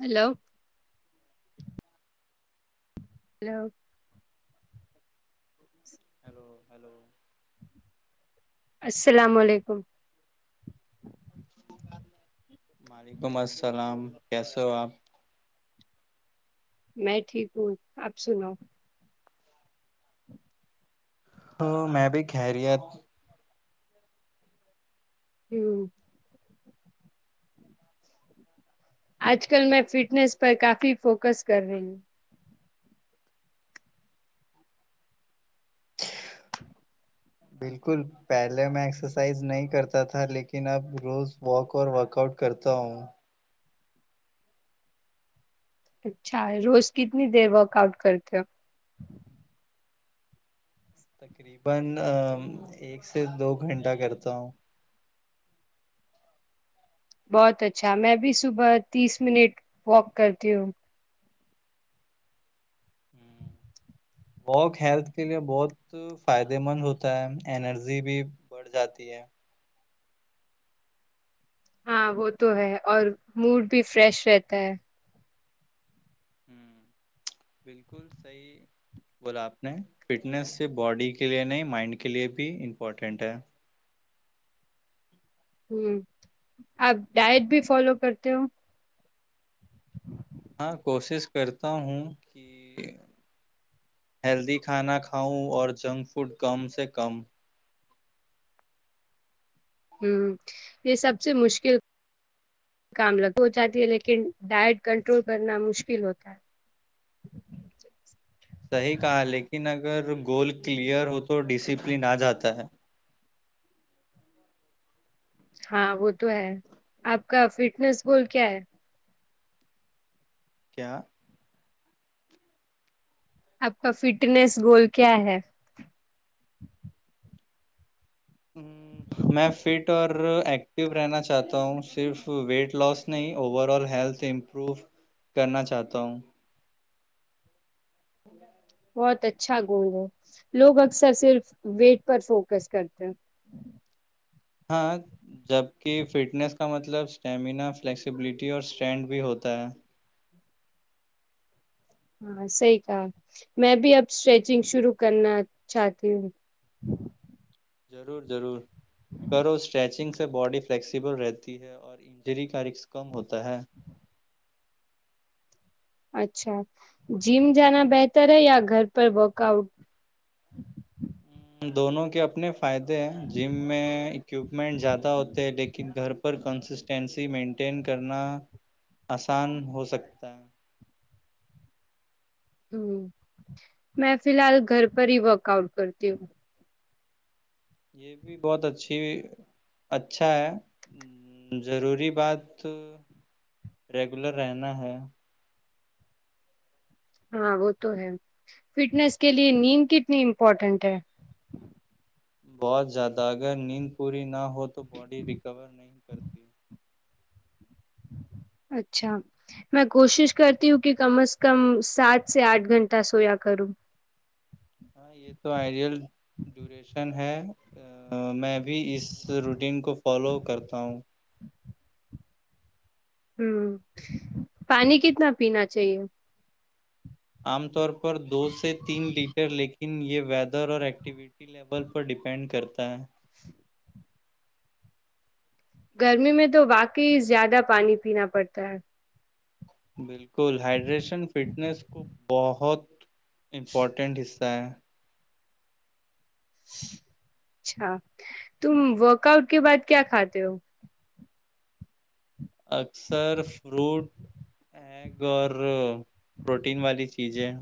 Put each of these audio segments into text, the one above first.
hello [unintelligible] hello hello السلام علیکم وعلیکم السلام کیسے ہو آپ میں ٹھیک ہوں آپ سنو تو میں بھی ہے ہوں آج کل میں فٹنیس پر کافی فوکس کر رہی ہوں بالکل پہلے میں ایکسرسائز نہیں کرتا تھا لیکن اب روز واک اور ورک آؤٹ کرتا ہوں اچھا روز کتنی دیر ورک آؤٹ کرتے ہو [inaudible] بہت اچھا میں بھی صبح تیس منٹ واک کرتی ہوں ہ واک ہیلتھ کے لیے بہت فائدے مند ہوتا ہے انرجی بھی بڑھ جاتی ہے ہاں وہ تو ہے اور موڈ بھی فریش رہتا ہے ہ بالکل صحیح بولا آپ نے فٹنس سے باڈی کے لیے نہیں مائنڈ کے لیے بھی امپورٹینٹ ہے ہوں آپ ڈائٹ بھی فالو کرتے ہو ہاں کوشش کرتا ہوں کہ ہیلدی کھانا کھاؤں اور جنک فوڈ کم سے کم ہ یہ سب سے مشکل کام ہو جاتی ہے لیکن ڈائٹ کنٹرول کرنا مشکل ہوتا ہے صحی کہا لیکن اگر گول کلیئر ہو تو ڈسپلن آ جاتا ہے ہاں وہ تو ہے آپ کا فٹنیس بول کیا ہے کیا آپ کا فٹنیس گول کیا ہے ہ میں فٹ اور ایکٹو رہنا چاہتا ہوں صرف ویٹ لاس نہیں اوور آل ہیلتھ امپروو کرنا چاہتا ہوں [inaudible] بہت اچھا گون گ ہے لوگ اکثر صرف ویٹ پر فوکس کرتے ہیں ہاں جبک فٹنس کا مطلب اسٹیمینا فلیکسیبلٹی اور اسٹرینٹ بھی ہوتا ہے ہاں صحی کہا میں بھی اب اسٹریچنگ شروع کرنا چاہتی ہوں ضرور ضرور کرو اسٹریچنگ سے باڈی فلیکسیبل رہتی ہے اور انجری کا رکک کم ہوتا ہے اچھا جم جانا بہتر ہے یا گھر پر ورک آؤٹ دونوں کے اپنے فائدے ہیں جم میں اکوپمنٹ زیادہ ہوتے ہیں لیکن کہ گھر پر کنسسٹینسی مینٹین کرنا آسان ہو سکتا ہے ہ میں فی الحال گھر پر ہی ورک آؤٹ کرتی ہوں یہ بھی بہت اچھی اچھا ہے ضروری بات ریگولر رہنا ہے ہاں وہ تو ہے فٹنس کے لیے نیند کتنی امپورٹینٹ ہے بہت زیادہ اگر نیند پوری نہ ہو وہ تو باڈی ریکور نہیں کرتی اچھا میں کوشش کرتی ہوں کہ کم از کم سات سے آٹھ گھنٹہ سویا کروں ہاں یہ تو آئیڈیل ڈیوریشن ہے میں بھی اس روٹین کو فالو کرتا ہوں ہوں پانی کتنا پینا چاہیے عام طور پر دو سے تین لیٹ لیکن یہ ویدر اور ایکٹیویٹی لیول پر ڈیپینڈ کرتا ہے گرمی میں تو واقعی زیادہ پانی پینا پڑتا ہے بالکل ہائڈریشن فٹنیس کو بہت امپورٹنٹ اسز تا اچھا تم ورک آؤٹ کے بعد کیا کھاتے ہو اکثر فروٹ ایک اور پروٹین والی چیزیں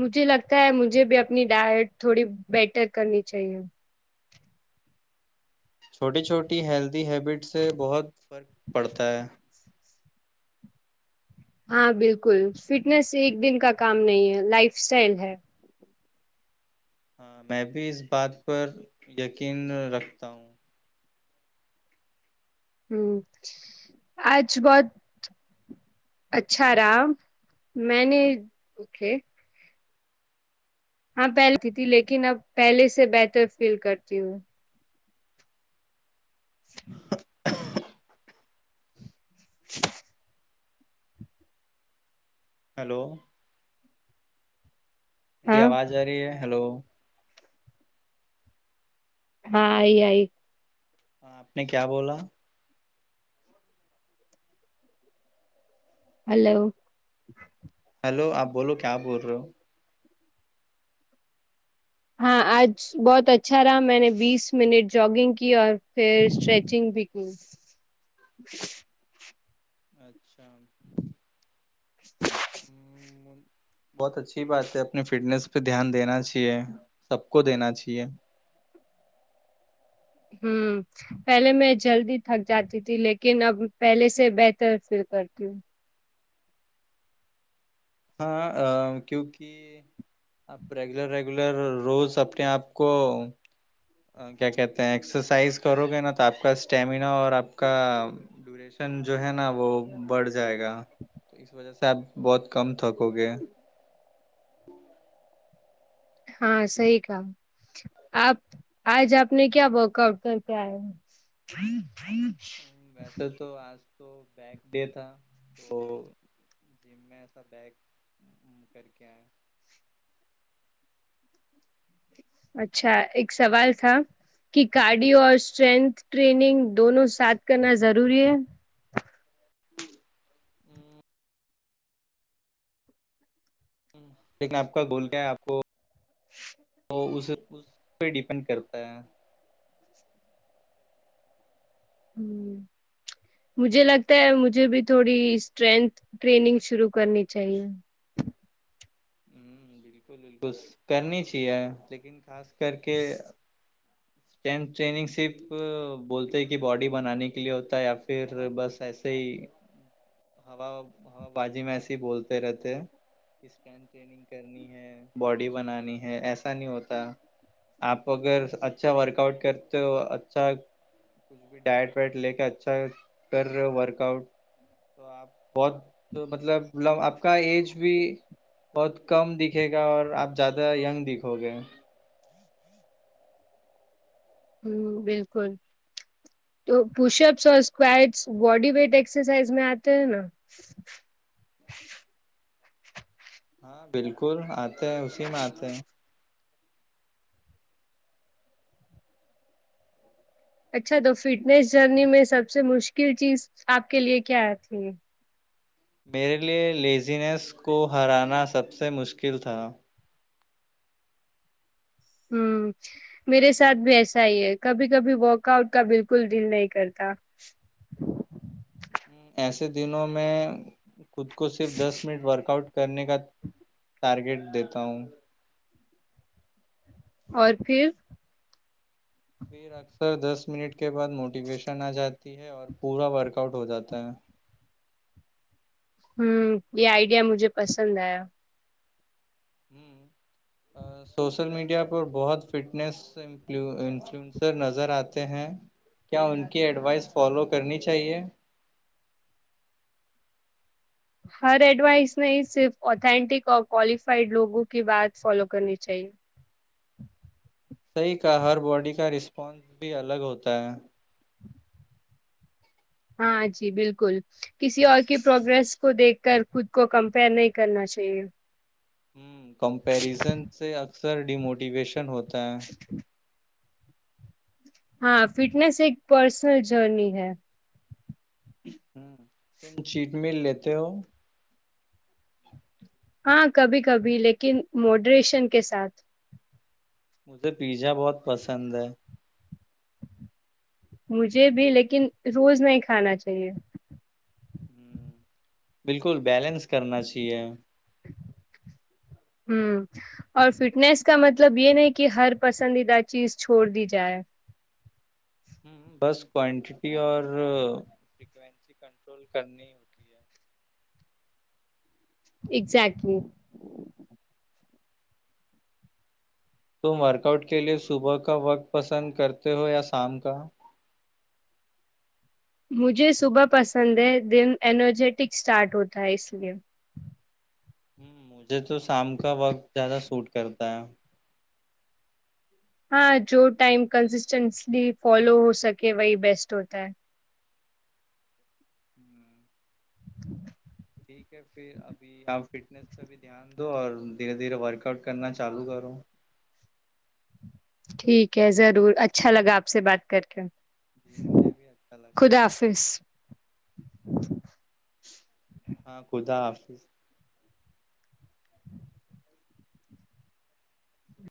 مجھے لگتا ہے مجھے بھی اپنی ڈائٹ تھوڑی بیٹر کرنی چاہیے چھوٹی چھوٹی ہیلت ہیبٹ سے بہت فرق پڑتا ہے ہاں بالکل فٹنس ایک دن کا کام نہیں ہے لائف اسٹائل ہے ہاں میں بھی اس بات پر یقین رکھتا ہوں ہ آج بہت اچھا رہا میں نے ا ہاں پہلتی تھی لیکن اب پہلے سے بہتر فیل کرتی ہوں [unintelligible] [unintelligible] [unintelligible] ہیلو میری ہاں آواز آ رہی ہے ہلو ہاں آئی آئی ہاں آپ نے کیا بولا ہلو ہیلو آپ بولو کیا بول رہے ہو ہاں آج بہت اچھا رہا میں نے بیس منٹ جگنگ کی اور پر اسٹرریچنگ بھی [unintelligible] اچھا [inaudible] بہت اچھی بات ہے اپنی فٹنیس پہ دھیان دینا چاہیے سب کو دینا چاہیے ہمم پہلے میں جلدی تھک جاتی تھی لیکن اب پہلے سے بہتر فیل کرتی ہوں ہاں کیونکہ آپ ریگولر ریگولر روز اپنے آپ کو کیا کہتے ہیں ایکسرسائز کرو گے نا تو آپ کا اسٹیمینا اور آپ کا ڈوریشن جو ہے نا وہ بڑھ جائے گا تو اس وجہ سے آپ بہت کم تھکو گے ہاں صحیح کہا آپ آج آپ نے کیا ورک آٹ کر کے آئے ویسے تو آج تو بیک ڈے تھا تو جم میں ایسا بیک کر کے آیا اچھا ایک سوال تھا کی گارڈی اور ہاں اسٹرینتھ ٹریننگ دونوں ساتھ کرنا ضروری ہے [unintelligible] لیکن آپ کا گول کیا ہے آپ کو [inaudible] اس پہ ڈیپینڈ کرتا ہے ہ مجھے لگتا ہے مجھے بھی تھوڑی اسٹرینھ ٹریننگ شروع کرنی چاہیے ہ بالکل بکل کرنی چاہیے لیکن خاص کر کے اسٹینپ ٹرینگ صرف بولتے کہ باڈی بنانے کے لیے ہوتا ہے یا پھر بس ایسے ہی ہوا ہوا بازی میں ایسے ہی بولتے رہتے کہ اسٹ ٹرینگ کرنی ہے باڈی بنانی ہے ایسا نہیں ہوتا آپ اگر اچھا ورک آؤٹ کرتے ہو اچھا کچھ بھی ڈائٹ وائٹ لے کے اچھا کر رہے ہو ورک آؤٹ تو آپ بہت مطلبم آپ کا ایج بھی بہت کم دکھے گا اور آپ زیادہ ینگ دکھو گے ہ بالکل تو پشاپس اور اسکویڈس باڈی ویٹ ایکسرسائز میں آتے ہیں نا ہاں بالکل آتے ہیں اسی میں آتے ہیں اچھا تو فٹنیس جرنی میں سب سے مشکل چیز آپ کے لیے کیا آتی میرے لیے لیزینس کو ہرانا سب سے مشکل تھا ہ میرے ساتھ بھی ایسا ہی ہے کبھی کبھی وورک آؤٹ کا بالکل دل نہیں کرتا ایسے دنوں میں خود کو صرف دس منٹ ورک آؤٹ کرنے کا ٹارگیٹ دیتا ہوں اور پھر پھر اکثر دس منٹ کے بعد موٹیویشن آ جاتی ہے اور پورا ورک آؤٹ ہو جاتا ہے ہوں یہ آئیڈیا مجھے پسند آیا ہ سوشل میڈیا پر بہت فٹنس انفلنسر نظر آتے ہیں کیا ان کی ایڈوائس فالو کرنی چاہیے ہر ایڈوائس نہیں صرف اتھینٹک اور کوالیفائڈ لوگوں کی بات فالو کرنی چاہیے صحیح کا ہر باڈی کا رسپانس بھی الگ ہوتا ہے ہاں جی بالکل کسی اور کی پروگریس کو دیکھ کر خود کو کمپیئر نہیں کرنا چاہیے ہ کمپیرزن سے اکثر ڈیموٹیویشن ہوتا ہوتا ہے ہاں فٹنس ایک پرسنل جرنی ہے ہاو تو چیٹ مل لی توو ہاں کبھی کبھی لیکن موڈریشن کے ساتھ مجھے پیزا بہت پسند ہے مجھے بھی لیکن روز نہیں کھانا چاہیے ہوں بالکل بیلنس کرنا چاہیے ہ اور فٹنس کا مطلب یہ نہیں کہ ہر پسندیدہ چیز چھوڑ دی جائے ہ بس کوانٹیٹی اور فریکوینسی کنٹرول کرنی ہوتی ہے اگزیکٹلی تم ورک آؤٹ کے لیے صبح کا وقت پسند کرتے ہو یا شام کا مجھے صبح پسند ہے دن انرجیٹک اسٹارٹ ہوتا ہے اس لیئے ہ مجھے تو شام کا وقت زیادہ سوٹ کر کتا ہاں جو ٹائم کنسسٹینٹلی فالو ہو سکے وہی بیسٹ ہوتا ہے ہوں، [inaudible] ٹھیک ہے پھر ابھی آپ فٹنیس پہ بھی دھیان دو اور دھیرے دھیرے ورک آؤٹ کرنا چالو کرو ٹھیک ہے ضرور اچھا لگا آپ سے بات کر کے جی مجھے بھی اچھا لگا خدا حافظ [inaudible] ہاں خدا آف